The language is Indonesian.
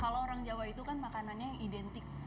kalau orang jawa itu kan makanannya identik